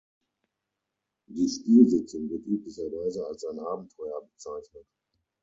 Die Spielsitzung wird üblicherweise als ein Abenteuer bezeichnet.